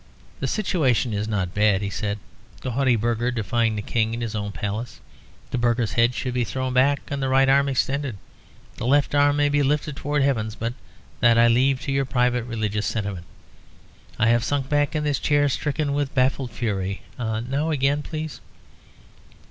"The situation is not bad," he said; "the haughty burgher defying the King in his own Palace. The burgher's head should be thrown back and the right arm extended; the left may be lifted towards Heaven, but that I leave to your private religious sentiment. I have sunk back in this chair, stricken with baffled fury. Now again, please."